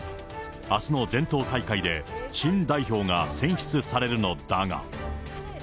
あすの全党大会で、新代表が選出されるのだが。